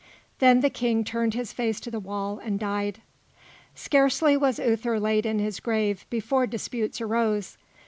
Then the King turned his face to the wall and died. Scarcely was Uther laid in his grave before disputes arose.